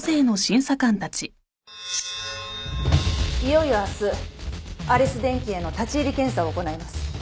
いよいよ明日アレス電機への立入検査を行います。